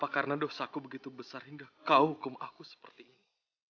karena dosaku begitu besar hingga kau hukum aku seperti ini